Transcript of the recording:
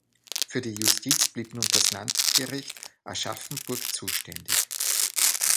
Für die Justiz blieb nun das Landgericht Aschaffenburg zuständig.